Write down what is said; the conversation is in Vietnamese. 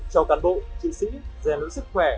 cho cán bộ trị sĩ gian lưỡi sức khỏe